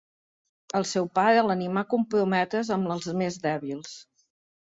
El seu pare l'animà comprometre's amb els més dèbils.